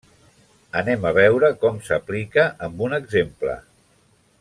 Anem a veure com s'aplica amb un exemple.